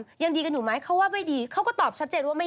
ไม่ใช่ที่ผ่านมาทำไมมีแต่ผู้ชายเปิดตัวเขา